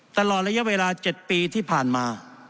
ตลอดระยะเวลา๗ปีที่ผ่านมา